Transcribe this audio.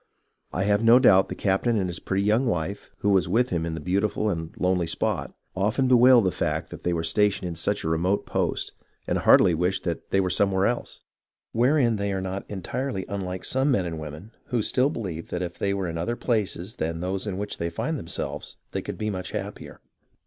I have no doubt the captain and his pretty young wife, who was with him in the beautiful and lonely spot, often bewailed the fact that they were stationed in such a remote post, and heartily wished that they were some where else, wherein they are not entirely unlike some men and women who still believe that if they were in other places than those in which they find themselves they could be much happier.